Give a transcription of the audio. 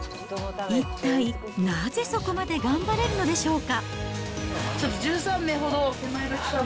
一体、なぜそこまで頑張れるのでしょうか。